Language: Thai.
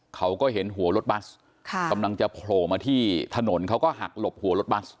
เขาก็เห็นหัวรถบัสกำลังจะโผล่มาที่ถนนเขาก็หักหลบหัวรถบัส